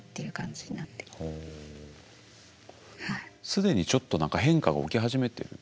既にちょっと何か変化が起き始めてる？